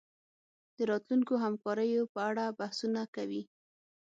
د راتلونکو همکاریو په اړه بحثونه کوي